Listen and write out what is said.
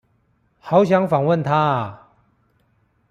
好想訪問他啊！